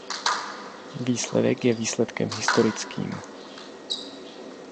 Výsledek je výsledkem historickým.